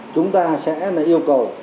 chúng ta sẽ yêu cầu